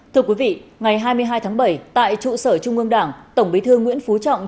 thưa quý vị ngày hai mươi hai tháng bảy tại trụ sở trung ương đảng tổng bí thư nguyễn phú trọng